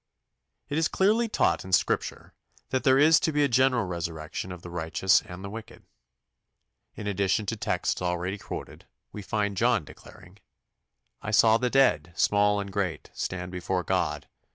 It is clearly taught in Scripture that there is to be a general resurrection of the righteous and the wicked. In addition to texts already quoted, we find John declaring, "I saw the dead, small and great, stand before God, ...